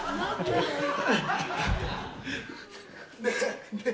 「ねえねえ」